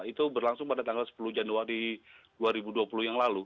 itu berlangsung pada tanggal sepuluh januari dua ribu dua puluh yang lalu